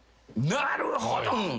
なるほど。